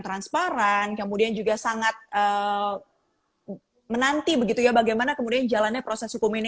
transparan kemudian juga sangat menanti begitu ya bagaimana kemudian jalannya proses hukum ini